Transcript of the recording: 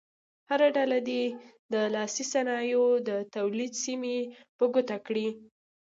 هره ډله دې د لاسي صنایعو د تولید سیمې په ګوته کړي.